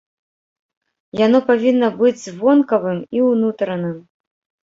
Яно павінна быць вонкавым і ўнутраным.